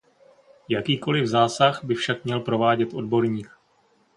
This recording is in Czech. Jakýkoliv zásah by však měl provádět odborník.